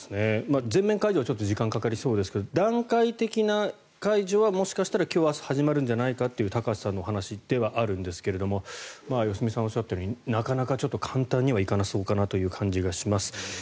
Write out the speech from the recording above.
全面解除はちょっと時間がかかりそうですが段階的な解除はもしかしたら今日、明日始まるんじゃないかという高橋さんのお話ではあるんですが良純さんがおっしゃっているようになかなか簡単にはいかなそうかなという感じがします。